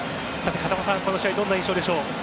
風間さん、この試合はどんな印象ですか。